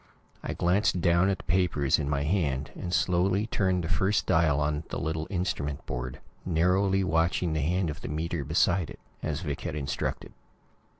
I glanced down at the papers in my hand, and slowly turned the first dial on the little instrument board, narrowly watching the hand of the meter beside it, as Vic had instructed.